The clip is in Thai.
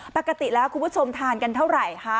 ปกติแล้วคุณผู้ชมทานกันเท่าไหร่คะ